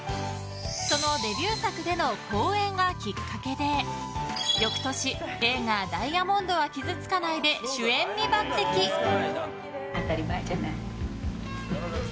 そのデビュー作での好演がきっかけで翌年映画「ダイアモンドは傷つかない」で当たり前じゃない。